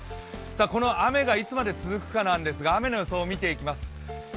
この雨がいつまで続くかなんですが雨の予想を見ていきます。